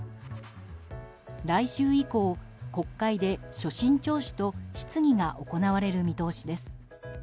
来週以降、国会で所信聴取と質疑が行われる見通しです。